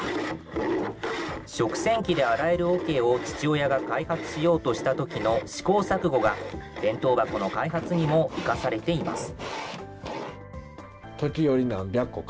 食洗器で洗えるおけを父親が開発しようとしたときの試行錯誤が、弁当箱の開発にも生かされています。